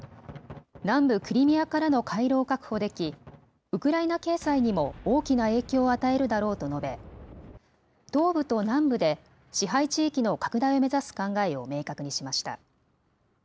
南部クリミアからの回廊を確保でき、ウクライナ経済にも大きな影響を与えるだろうと述べ、東部と南部で支配地域の拡大を目指す考えを明確にしました。